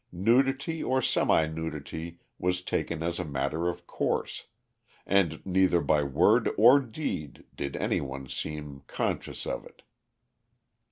Nudity or semi nudity was taken as a matter of course, and neither by word or deed did anyone seem conscious of it.